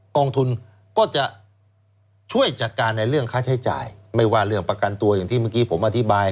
กองทุนก็จะช่วยจัดการในเรื่องค่าใช้จ่ายไม่ว่าเรื่องประกันตัวอย่างที่เมื่อกี้ผมอธิบาย